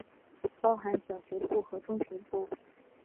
包含小学部和中学部。